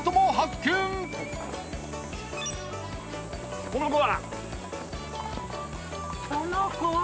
君この子は？